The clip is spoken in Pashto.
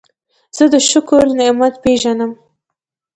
زه د شکر نعمت پېژنم.